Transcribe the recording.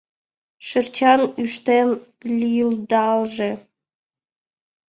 Шырчан ӱштем лийылдалже